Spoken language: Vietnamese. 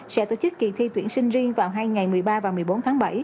sẽ tổ chức kỳ thi tuyển sinh riêng vào hai ngày một mươi ba và một mươi bốn tháng bảy